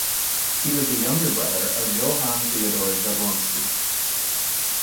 He was the younger brother of Johann Theodor Jablonski.